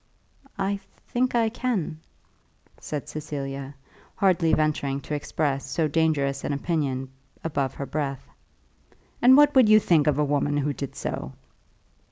"I think I can," said Cecilia, hardly venturing to express so dangerous an opinion above her breath. "And what would you think of a woman who did so?"